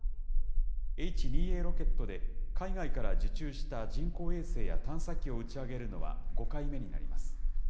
Ｈ２Ａロケットで海外から受注した人工衛星や探査機を打ち上げるのは５回目になります。